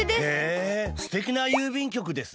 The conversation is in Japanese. へえすてきな郵便局ですね。